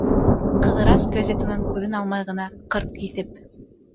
Ҡыҙырас газетанан күҙен алмай ғына, ҡырт киҫеп: